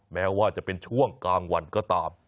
แม้ว่าจะเป็นช่วงกลางวันก็ตาม